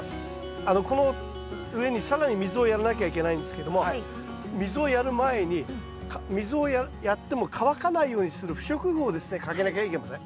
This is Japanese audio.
この上に更に水をやらなきゃいけないんですけども水をやる前に水をやっても乾かないようにする不織布をですねかけなきゃいけません。